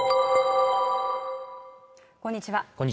こんにちは